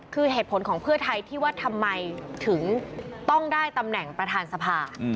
คือเหตุผลของเพื่อไทยที่ว่าทำไมถึงต้องได้ตำแหน่งประธานสภา